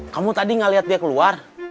kamu tadi gak lihat dia keluar